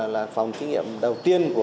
là phòng thí nghiệm đầu tiên